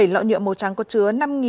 bảy lọ nhựa màu trắng có chứa